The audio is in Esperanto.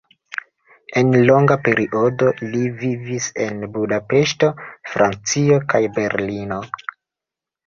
En longa periodo li vivis en Budapeŝto, Francio kaj Berlino.